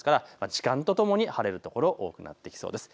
時間とともに晴れる所が多くなりそうです。